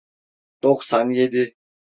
Doksan yedi.